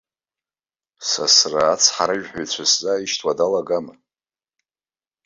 Сасран ацҳаражәҳәаҩцәа сзааишьҭуа далагама?!